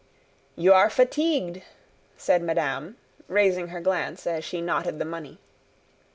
"You are fatigued," said madame, raising her glance as she knotted the money.